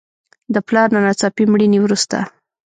د پلار له ناڅاپي مړینې وروسته.